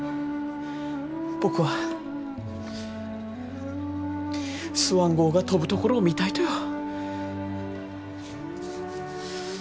僕はスワン号が飛ぶところを見たいとよ。